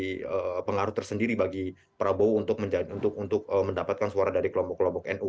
menjadi pengaruh tersendiri bagi prabowo untuk mendapatkan suara dari kelompok kelompok nu